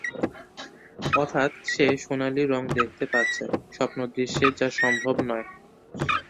অথাৎ সে সোনালি রঙ দেখতে পাচ্ছে, স্বপ্ন দৃশ্যে যা সম্ভব নয়।